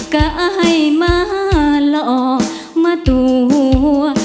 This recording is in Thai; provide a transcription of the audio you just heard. กะไฮมาหลอกมาตัว